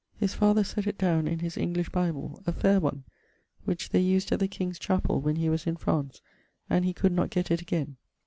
His father sett it downe in his English bible, a faire one, which they used at the king's chapell when he was in France and he could not get it again.